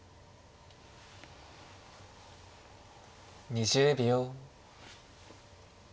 ２０秒。